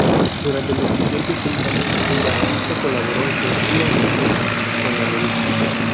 Durante los siguientes seis años el artista colaboró intensivamente con la revista.